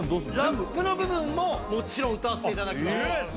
ラップの部分ももちろん歌わしていただきます・え